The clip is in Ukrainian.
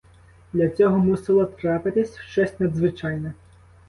Для цього мусило трапитись щось надзвичайне.